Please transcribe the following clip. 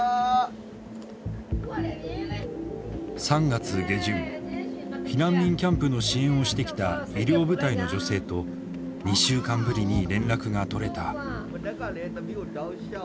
３月下旬避難民キャンプの支援をしてきた医療部隊の女性と２週間ぶりに連絡が取れた。